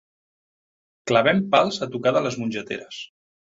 Clavem pals a tocar de les mongeteres.